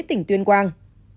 tỉnh tuyên quang